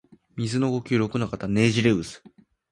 水の呼吸陸ノ型ねじれ渦（ろくのかたねじれうず）